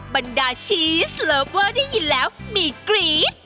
บรรดาชีสเลิฟเวอร์ได้ยินแล้วมีกรี๊ด